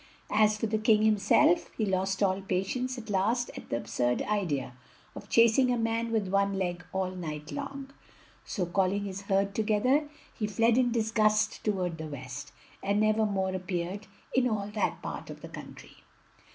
As for the king himself, he lost all patience at last at the absurd idea of chasing a man with one leg all night long, so calling his herd together, he fled in disgust toward the west, and never more appeared in all that part of the country.